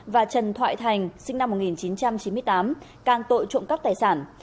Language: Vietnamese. và trần thoại thành sinh năm một nghìn chín trăm chín mươi tám càng tội trộm cắp tài sản